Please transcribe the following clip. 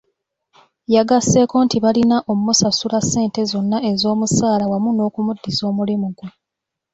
Yagaseko nti balina omusasula ssente zonna ez'omusaala wamu n'okumuddiza omulimu gwe.